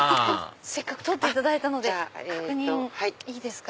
せっかく撮っていただいたので確認いいですか？